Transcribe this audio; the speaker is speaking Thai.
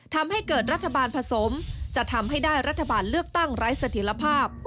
ทำให้เกิดรัฐบาลผสมจะทำให้ได้รัฐบาลเลือกตั้งไร้สถิตภาพ